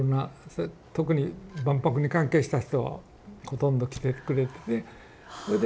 特に万博に関係した人はほとんど来てくれてそれで選ばれて。